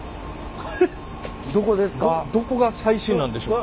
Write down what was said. どこですか？